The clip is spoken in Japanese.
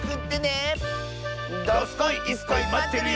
どすこいいすこいまってるよ！